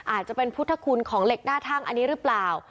อาจจะเป็นพุทธคุณของเหล็กหน้าทั่งอันนี้หรือเปล่า